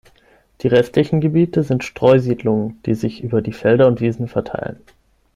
Das restliche Gebiet sind Streusiedlungen, die sich über die Felder und Wiesen verteilen.